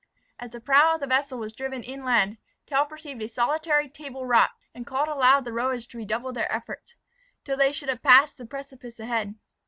As the prow of the vessel was driven inland, Tell perceived a solitary table rock and called aloud the rowers to redouble their efforts, till they should have passed the precipice ahead.